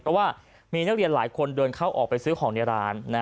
เพราะว่ามีนักเรียนหลายคนเดินเข้าออกไปซื้อของในร้าน